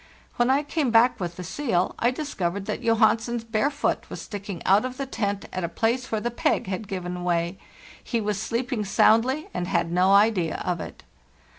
When I came back with the seal I discovered that Johansen's bare foot was sticking out of the tent at a place where the peg had given way; he was sleeping soundly and had no idea of it.